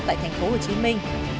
tại thành phố hồ chí minh